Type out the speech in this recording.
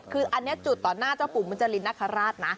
คืออันนี้จุดต่อหน้าเจ้าปู่มุนจรินนาคาราชนะ